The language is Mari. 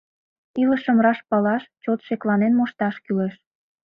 Илышым раш палаш, чот шекланен мошташ кӱлеш.